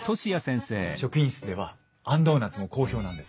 職員室ではあんドーナツも好評なんですよ。